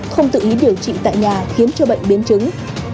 không tự ý điều trị tại nhà khiến cho bệnh biến chứng